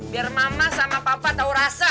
biar mama sama papa tahu rasa